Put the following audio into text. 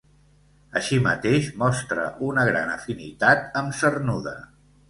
Així mateix, mostra una gran afinitat amb Cernuda.